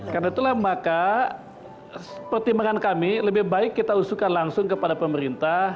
karena itulah maka pertimbangan kami lebih baik kita usulkan langsung kepada pemerintah